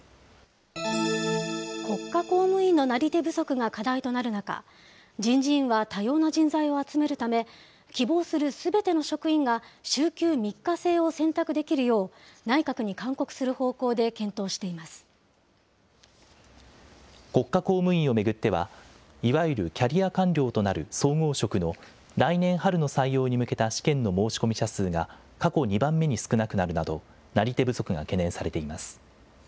国家公務員のなり手不足が課題となる中、人事院は多様な人材を集めるため、希望するすべての職員が、週休３日制を選択できるよう、内閣に勧告する方向で検討していま国家公務員を巡っては、いわゆるキャリア官僚となる総合職の来年春の採用に向けた試験の申し込み者数が、過去２番目に少なくなるなど、なり手不足が懸念されています。